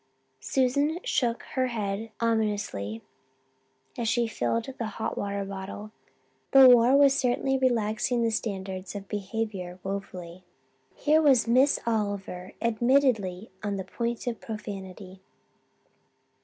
Susan shook her head ominously as she filled the hot water bottle. The war was certainly relaxing the standards of behaviour woefully. Here was Miss Oliver admittedly on the point of profanity.